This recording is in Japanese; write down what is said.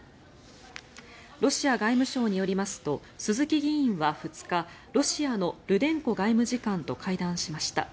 ロシア外務省によりますと鈴木議員は２日ロシアのルデンコ外務次官と会談しました。